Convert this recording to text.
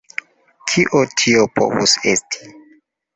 Kio tio povus esti?